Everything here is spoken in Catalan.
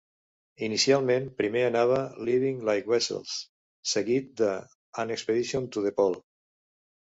Inicialment, primer anava "Living Like Weasels", seguit de "An Expedition to the Pole".